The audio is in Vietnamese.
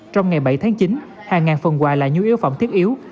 trong ngày bảy tháng chín hàng ngàn phần quà là nhu yếu phẩm thiết yếu